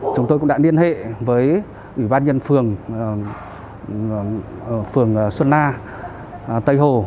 chúng tôi cũng đã liên hệ với ubnd phường xuân na tây hồ